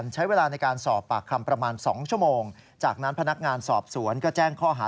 แล้วก็หน่ายปิติพัศน์สังขหะ